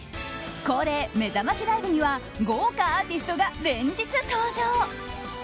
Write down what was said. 恒例めざましライブには豪華アーティストが連日登場。